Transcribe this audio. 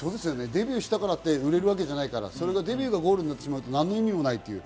デビューしたからって売れるわけじゃないから、それがデビューがゴールになると何の意味もないという。